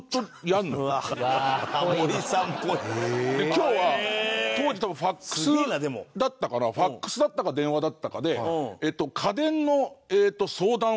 今日は当時多分ファクスだったからファクスだったか電話だったかで。